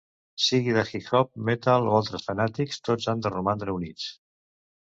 Sigui de hip-hop, metal o altres fanàtics, tots han de romandre units.